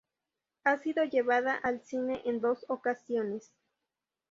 Ha sido llevada al cine en dos ocasiones.